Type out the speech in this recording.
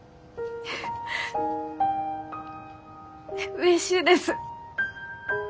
うれしいです。